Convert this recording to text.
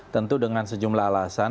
tentu dengan sejumlah alasan